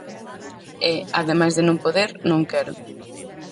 E, ademais de non poder, non quero.